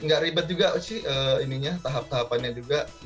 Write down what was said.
nggak ribet juga sih ininya tahap tahapannya juga